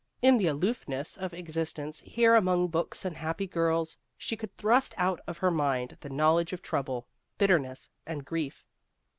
In the aloofness of existence here among books and happy girls, she could thrust out of her mind the knowledge of trouble, bitterness, and grief.